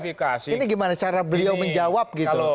ini gimana cara beliau menjawab gitu loh